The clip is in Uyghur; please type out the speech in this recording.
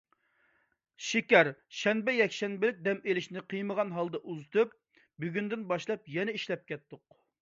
شېكەر شەنبە، يەكشەنبىلىك دەم ئېلىشنى قىيمىغان ھالدا ئۇزىتىپ، بۈگۈندىن باشلاپ يەنە ئىشلەپ كەتتۇق.